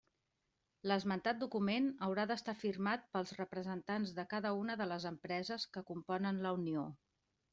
L'esmentat document haurà d'estar firmat pels representants de cada una de les empreses que componen la unió.